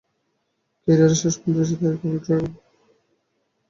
ক্যারিয়ারের শেষ প্রান্তে এসে তাই ট্রেবল জয়ের স্বাদটাও নিয়ে নিতে চান।